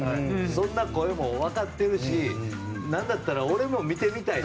そんな声も分かってるし何だったら、俺も見てみたい。